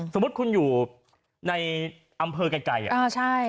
สมมุติคุณอยู่ในอำเภอไกล